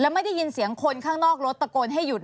ไม่ได้ยินเสียงคนข้างนอกรถตะโกนให้หยุด